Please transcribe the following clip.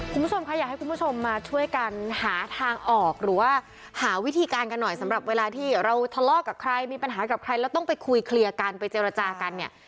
คุณผู้ชมค่ะอยากให้คุณผู้ชมมาช่วยกันหาทางออกหรือว่าหาวิธีการกันหน่อยสำหรับเวลาที่เราทะเลาะกับใครมีปัญหากับใครแล้วต้องไปคุยเคลียร์กันไปเจรจากันเนี่ย